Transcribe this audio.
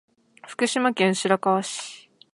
福島県白河市